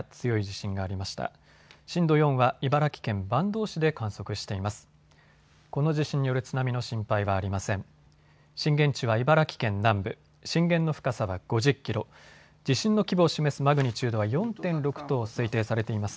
震源地は茨城県南部、震源の深さは５０キロ、地震の規模を示すマグニチュードは４．６と推定されています。